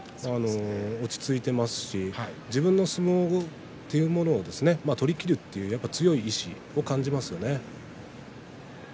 落ち着いていますし自分の相撲というものを取りきるという強い意志を感じますよね。